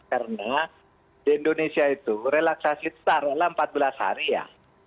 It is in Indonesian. karena di indonesia itu relaksasi setara dalam empat belas hari ya